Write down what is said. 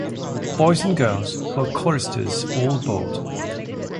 Boys and girls who are choristers all board.